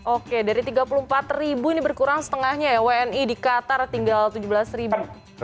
oke dari tiga puluh empat ribu ini berkurang setengahnya ya wni di qatar tinggal tujuh belas ribu